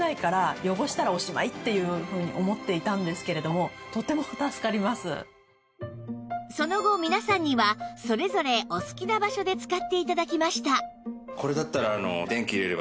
あとはその後皆さんにはそれぞれお好きな場所で使って頂きました